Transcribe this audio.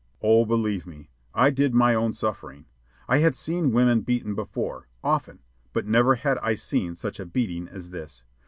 Oh, believe me, I did my own suffering. I had seen women beaten before, often, but never had I seen such a beating as this.